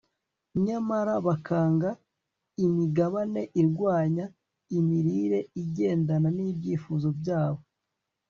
nyamara bakanga imigabane irwanya imirire igendana n'ibyifuzo byabo